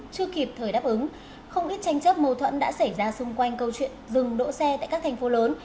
chưa kịp thời đáp ứng không ít tranh chấp mâu thuẫn đã xảy ra xung quanh câu chuyện dừng đỗ xe tại các thành phố lớn